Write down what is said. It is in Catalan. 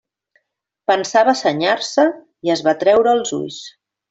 Pensava senyar-se i es va treure els ulls.